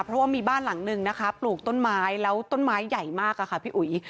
เพราะว่ามีบ้านหลังนึงนะคะปลูกต้นไม้แล้วต้นไม้ใหญ่มากอะค่ะพี่อุ๋ย